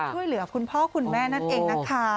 ช่วยเหลือคุณพ่อคุณแม่นั่นเองนะคะ